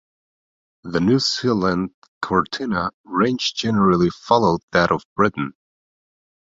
The New Zealand Cortina range generally followed that of Britain.